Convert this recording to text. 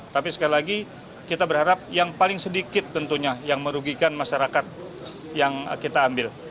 tapi sekali lagi kita berharap yang paling sedikit tentunya yang merugikan masyarakat yang kita ambil